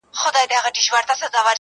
اختر نژدې دی.